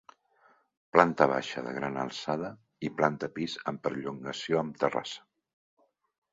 Planta baixa de gran alçada i planta pis amb perllongació amb terrassa.